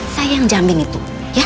saya yang jamin itu